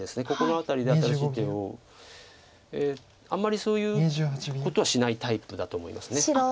ここの辺りで新しい手をあんまりそういうことはしないタイプだと思います。